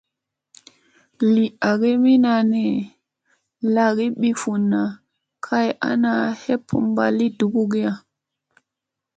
Li agi minaa ni, lagi ɓivunna kay ana heppa mbaa li dugugiya.